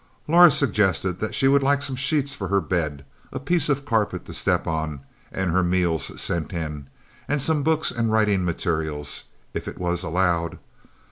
Laura suggested that she would like some sheets for her bed, a piece of carpet to step on, and her meals sent in; and some books and writing materials if it was allowed.